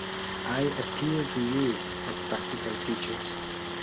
I appeal to you, as practical teachers.